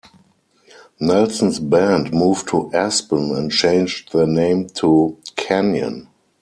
Nelson's band moved to Aspen and changed their name to "Canyon".